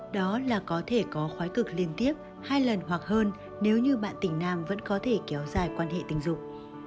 đó là có thể có khói cực liên tiếp hai lần hoặc hơn nếu như bạn tỉnh nam vẫn có thể kéo dài quan hệ tình dục